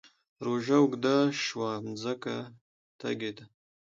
روژه اوږده شوه مځکه تږې ده